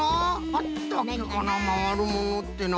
あったっけかなまわるものってな。